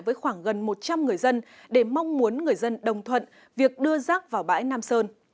với khoảng gần một trăm linh người dân để mong muốn người dân đồng thuận việc đưa rác vào bãi nam sơn